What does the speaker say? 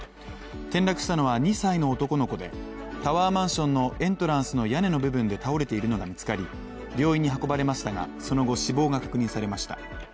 転落したのは２歳の男の子でタワーマンションのエントランスの屋根の部分で倒れているのが見つかり病院に運ばれましたが、その後、死亡が確認されました。